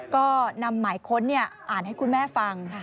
ก็นำหมายค้นอ่านให้คุณแม่ฟัง